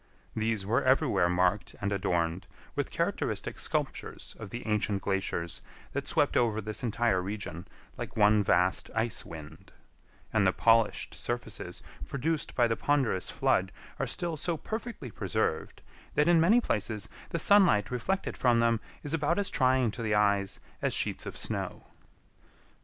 These were everywhere marked and adorned with characteristic sculptures of the ancient glaciers that swept over this entire region like one vast ice wind, and the polished surfaces produced by the ponderous flood are still so perfectly preserved that in many places the sunlight reflected from them is about as trying to the eyes as sheets of snow.